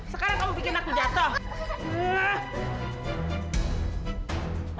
sekarang kamu bikin aku jatuh